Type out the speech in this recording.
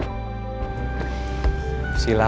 saya akan kembali ke rumah